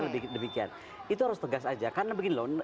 lebih ke demikian itu harus tegas saja karena